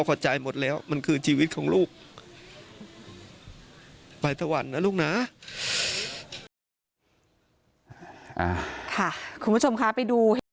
ค่ะคุณผู้ชมค้าไปดู